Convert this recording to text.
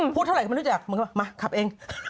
พูดเท่าไหร่กับจะรู้จักมาขับเอง